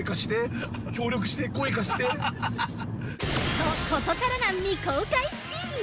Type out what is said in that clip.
◆と、ここからが未公開シーン。